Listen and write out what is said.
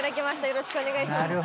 よろしくお願いします。